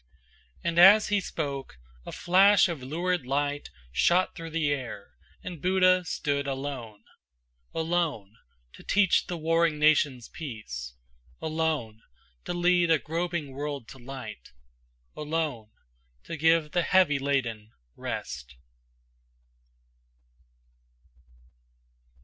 And as he spoke a flash of lurid light Shot through the air, and Buddha stood alone Alone! to teach the warring nations peace! Alone! to lead a groping world to light! Alone! to give the heavy laden rest!